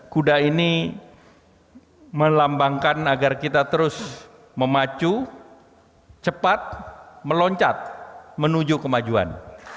kuda ini melambangkan agar kita terus memacu cepat meloncat menuju kemajuan